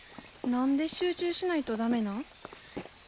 何で集中しないと駄目なん？